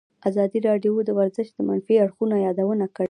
ازادي راډیو د ورزش د منفي اړخونو یادونه کړې.